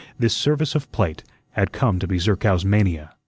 This service of plate had come to be Zerkow's mania.